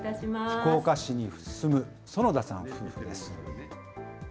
福岡市に住む薗田さん夫婦です。